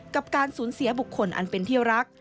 กับการสูญเสียบุคคลอันเป็นที่รัก